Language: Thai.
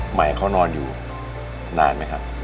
หมายเขานอนอยู่นานไหมครับ